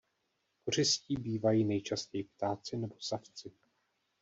Kořistí bývají nejčastěji ptáci nebo savci.